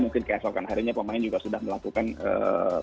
mungkin keesokan harinya pemain juga sudah melakukan